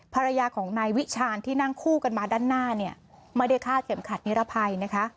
ภรรยาของนายวิชาณที่นั่งคู่กันมาด้านหน้าเนี่ยไม่ได้ฆ่าเข็มขัดนิรภัยนะคะ